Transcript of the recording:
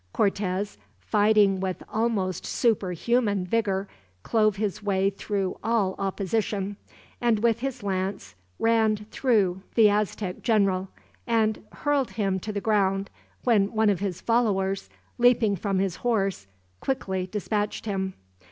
Cortez, fighting with almost superhuman vigor, clove his way through all opposition; and with his lance ran through the Aztec general, and hurled him to the ground, when one of his followers, leaping from his horse, quickly dispatched him.